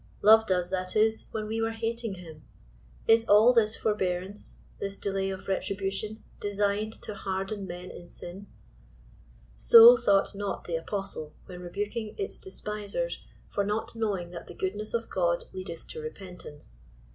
Loved us, that is, when we were hating him. Is all this forbearance, this delay of retribution, designed to harden men in sin I So thought not the apostle, when rebuking its despisers for *' not knowing that the goodness of God leadeth to repentance.